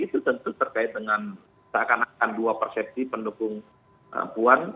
itu tentu terkait dengan seakan akan dua persepsi pendukung puan